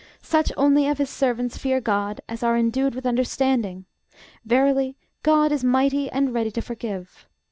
Such only of his servants fear GOD as are endued with understanding: verily GOD is mighty and ready to forgive.